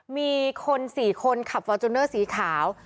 มีคน๔คนขับวาจุนเนอร์สีขาว